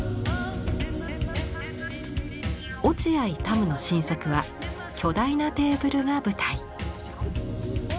落合多武の新作は巨大なテーブルが舞台。